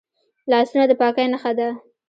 لاسونه د پاکۍ نښه ده